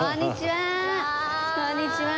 こんにちは。